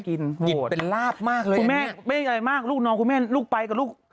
กิดเป็นลาบมากเลยอันนี้